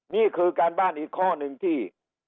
นี่คือการบ้านอีกข้อหนึ่งที่